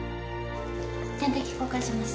点滴交換します。